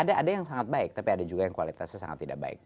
ada yang sangat baik tapi ada juga yang kualitasnya sangat tidak baik